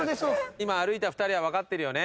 今歩いた２人はわかってるよね？